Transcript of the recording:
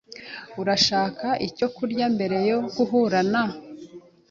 Urashaka icyo kurya mbere yo guhura na ?